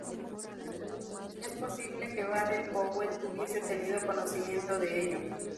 Es posible que Baden Powell hubiese tenido conocimiento de ello.